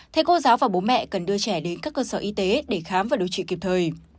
thầy cô giáo và bố mẹ cần đưa trẻ đến các cơ sở y tế để khám và điều trị kịp thời